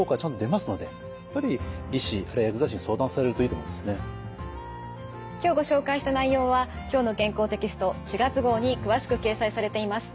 ですので今はですね今日ご紹介した内容は「きょうの健康」テキスト４月号に詳しく掲載されています。